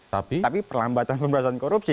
tapi perlambatan pemerintahan korupsi